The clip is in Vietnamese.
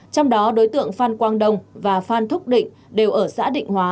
trong đó đối tượng phan quang đông và phan thúc định đều ở xã định hóa